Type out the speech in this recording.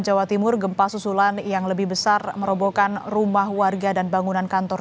jawa timur gempa susulan yang lebih besar merobohkan rumah warga dan bangunan kantor